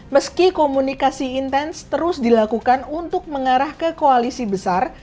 meski komunikasi intens terus dilakukan untuk mengarah ke koalisi besar